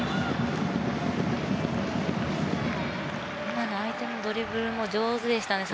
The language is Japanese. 今の相手のドリブルも上手でしたね。